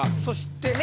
そして。